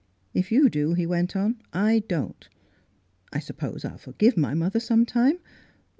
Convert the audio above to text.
" If you do," he went on, " I don't. I suppose I'll forgive my mother sometime.